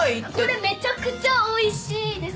これめちゃくちゃおいしいです。